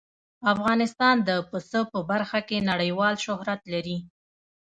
افغانستان د پسه په برخه کې نړیوال شهرت لري.